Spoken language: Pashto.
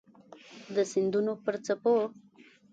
د سیندونو پر څپو